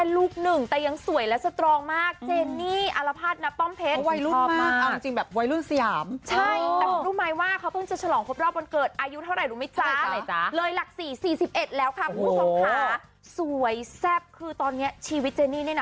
เลยหลักสี่สี่สิบเอ็ดแล้วค่ะคุณผู้ชมค่ะสวยแซ่บคือตอนเนี้ยชีวิตเจนี่เนี่ยน่ะ